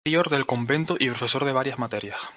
Fue prior del convento y profesor de varias materias.